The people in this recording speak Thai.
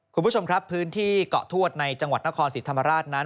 คุณผู้ชมครับพื้นที่เกาะทวดในจังหวัดนครศรีธรรมราชนั้น